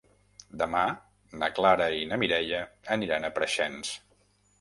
Demà na Clara i na Mireia aniran a Preixens.